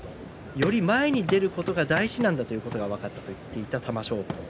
より前に出ることが大事だということが分かったと話していた玉正鳳。